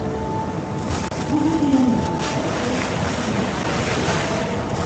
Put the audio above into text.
Hoe witte jim dêr no krekt goed it paad yn te finen?